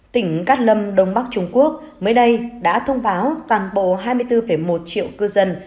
tỉnh cát lâm đông bắc trung quốc mới đây đã thông báo toàn bộ hai mươi bốn một triệu cư dân